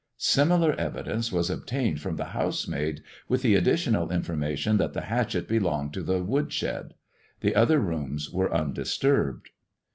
Similar evidence was obtained from the housemaid, with the additional information that the hatchet belonged to the wood shed. The other rooms were undisturbed.